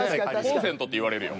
コンセントって言われるよ。